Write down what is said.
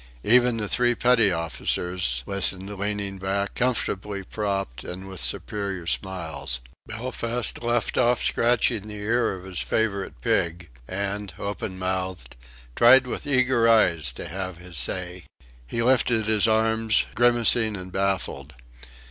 Even the three petty officers listened leaning back, comfortably propped, and with superior smiles. Belfast left off scratching the ear of his favourite pig, and, open mouthed, tried with eager eyes to have his say. He lifted his arms, grimacing and baffled.